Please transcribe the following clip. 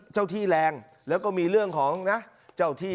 ที่แรงแล้วก็มีเรื่องของนะเจ้าที่